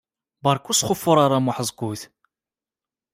Beṛka ur sxufur ara am uḥeẓgut.